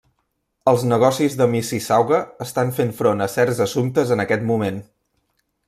Els negocis de Mississauga estan fent front a certs assumptes en aquest moment.